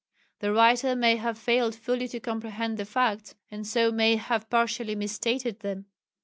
The writer may have failed fully to comprehend the facts, and so may have partially misstated them.